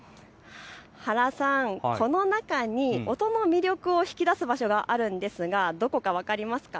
原さん、この中に音の魅力を引き出す場所があるんですが、どこか分かりますか。